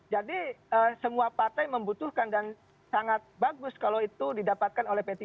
jadi semua partai membutuhkan dan sangat bagus kalau itu didapatkan oleh p tiga